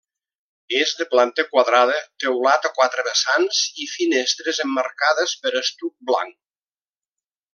És de planta quadrada, teulat a quatre vessants i finestres emmarcades per estuc blanc.